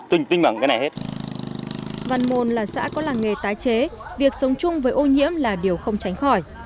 theo nghề tái chế việc sống chung với ô nhiễm là điều không tránh khỏi